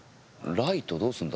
ライトどうすんだ？